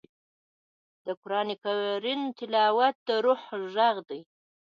د قرآن تلاوت د روح غږ دی.